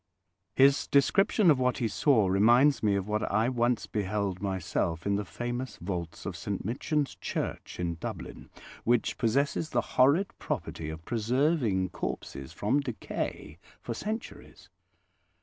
His description of what he saw reminds me of what I once beheld myself in the famous vaults of St Michan's Church in Dublin, which possess the horrid property of preserving corpses from decay for centuries.